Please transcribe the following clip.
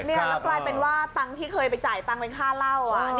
แล้วกลายเป็นว่าตังค์ที่เคยไปจ่ายตังค์เป็นค่าเหล้า